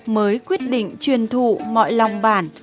mới quyết định truyền thụ mọi lòng bản